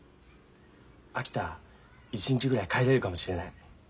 秋田一日ぐらい帰れるかもしれない。